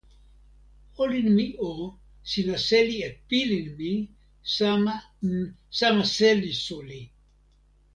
olin mi o, sina seli e pilin mi, sama, n, sama seli suli.